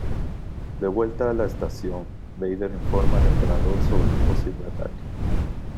De vuelta a la estación, Vader informa al Emperador sobre un posible ataque.